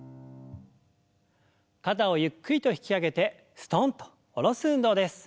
肩をゆっくりと引き上げてすとんと下ろす運動です。